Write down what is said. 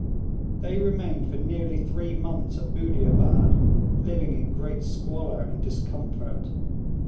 They remained for nearly three months at Budiabad, living in great squalor and discomfort.